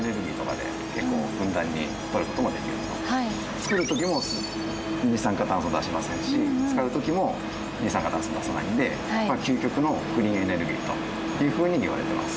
作るときも二酸化炭素出しませんし使うときも二酸化炭素出さないんで究極のクリーンエネルギーというふうに言われています。